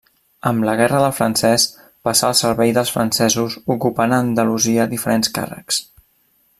Amb la Guerra del Francès passà al servei dels francesos ocupant a Andalusia diferents càrrecs.